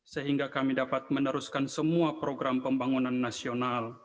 sehingga kami dapat meneruskan semua program pembangunan nasional